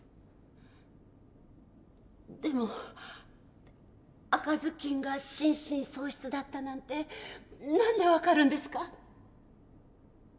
でも赤ずきんが心神喪失だったなんて何で分かるんですか？